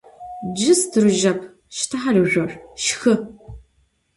Cı stırıjep, şşte halızjor, şşxı.